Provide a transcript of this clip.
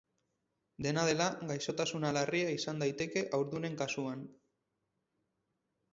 Dena dela, gaixotasuna larria izan daiteke haurdunen kasuan.